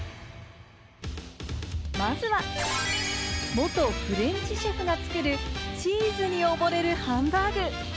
まずは元フレンチシェフが作るチーズにおぼれるハンバーグ。